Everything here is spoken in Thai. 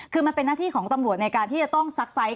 คือมันเป็นหน้าที่ของตำรวจในการที่จะต้องซักไซส์